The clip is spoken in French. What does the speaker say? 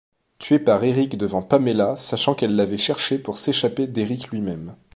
Tué par Erick devant Pamela sachant qu'elle l'avait cherché pour s'échapper d'Erick lui-même.